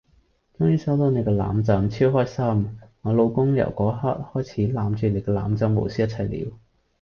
終於收到你個攬枕！超開心！我老公由個刻開始攬住你個攬枕無視一切了